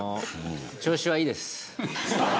調子はいいです。